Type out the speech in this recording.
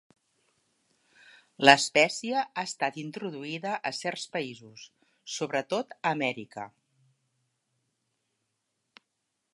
L'espècie ha estat introduïda a certs països, sobretot a Amèrica: